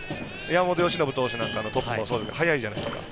山本由伸投手なんかもトップが早いじゃないですか。